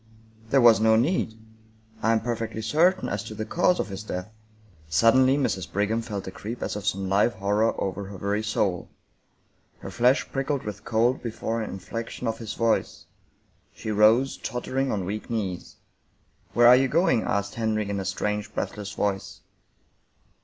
"" There was no need. I am perfectly certain as to the cause of his death." Suddenly Mrs. Brigham felt a creep as of some live hor ror over her very soul. Her flesh prickled with cold, before an inflection of his voice. She rose, tottering on weak knees. " Where are you going? " asked Henry in a strange, breathless voice.